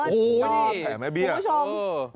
ครับครับพี่หูชม